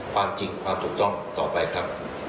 ความจริงความถูกต้องต่อไปครับ